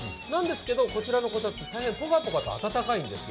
こちらのこたつ、大変ぽかぽかと暖かいんです。